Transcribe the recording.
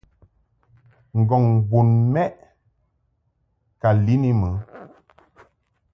Ngɔŋ bun mɛʼ ka lin I mɨ.